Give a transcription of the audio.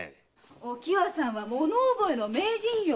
お喜和さんは物覚えの名人よ。